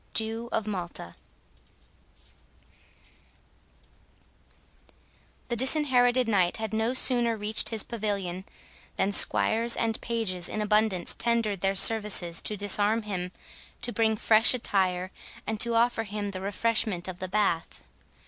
JEW OF MALTA The Disinherited Knight had no sooner reached his pavilion, than squires and pages in abundance tendered their services to disarm him, to bring fresh attire, and to offer him the refreshment of the bath.